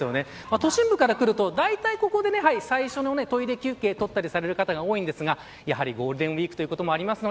都心部から来ると、だいたいここで最初のトイレ休憩取ったりされる方が多いんですがやはりゴールデンウイークということもあります。